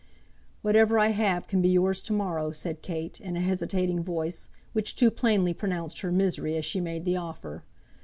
"Whatever I have can be yours to morrow," said Kate, in a hesitating voice, which too plainly pronounced her misery as she made the offer.